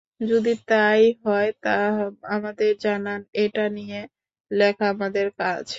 যদি তাই হয়, আমাদের জানান এটা নিয়ে লেখা আমাদের কাজ।